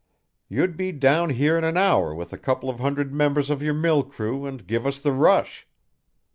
You'd be down here in an hour with a couple of hundred members of your mill crew and give us the rush.